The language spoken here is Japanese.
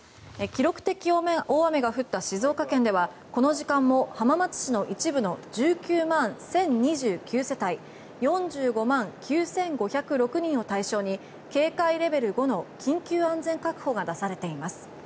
記録的大雨が降った静岡県ではこの時間も浜松市の一部の１９万１０２９世帯４５万９５０６人を対象に警戒レベル５の緊急安全確保が出されています。